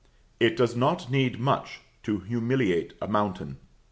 It does not need much to humiliate a mountain.